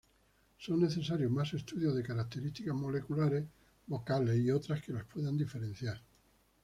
Son necesarios más estudios de características moleculares, vocales y otras que las puedan diferenciar.